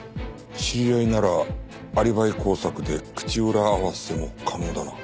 知り合いならアリバイ工作で口裏合わせも可能だな。